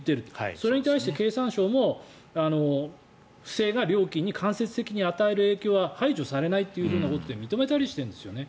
それに対して経産省も不正な料金に間接的に与える影響は排除されないということで認めたりしてるんですよね。